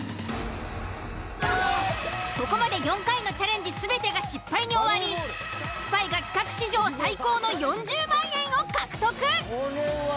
ここまで４回のチャレンジ全てが失敗に終わりスパイが企画史上最高の４０万円を獲得！